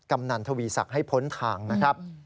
กำนันทวีศักดิ์ให้พ้นทางนะครับ